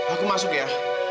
aku masuk ya